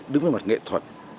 đứng về mặt nghệ thuật